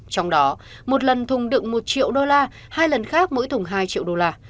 trong đó một lần thùng đựng một triệu đô la hai lần khác mỗi thùng hai triệu đô la